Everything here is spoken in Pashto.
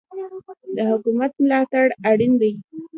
د حکومت ملاتړ اړین دی.